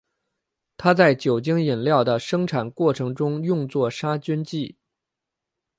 它在酒精饮料的生产过程中用作杀菌剂。